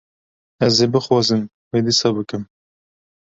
Ez ê bixwazim wê dîsa bikim.